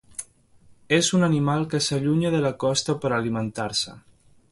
És un animal que s'allunya de la costa per alimentar-se.